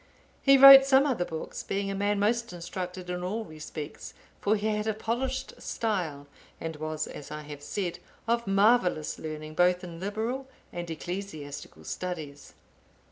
He wrote some other books, being a man most instructed in all respects, for he had a polished style,(878) and was, as I have said, of marvellous learning both in liberal and ecclesiastical studies.